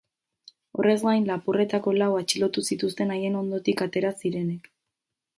Horrez gain, lapurretako lau atxilotu zituzten haien ondotik atera zirenek.